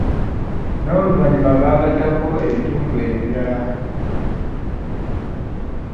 N’oluvanyuma ne bagattako ebitundu ebirala.